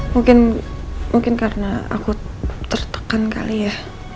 mungkin karena aku tertekan kali ya